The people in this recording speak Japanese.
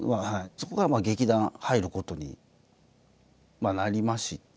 そこから劇団入ることになりまして。